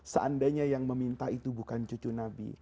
seandainya yang meminta itu bukan cucu nabi